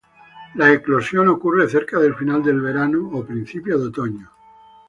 La eclosión ocurre cerca del final del verano o principios de otoño.